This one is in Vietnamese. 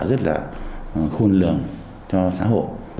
rất là khôn lường cho xã hội